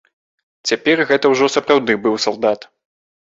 Цяпер гэта ўжо сапраўды быў салдат.